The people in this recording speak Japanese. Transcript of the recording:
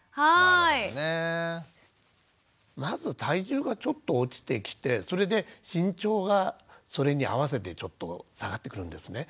まず体重がちょっと落ちてきてそれで身長がそれに合わせてちょっと下がってくるんですね。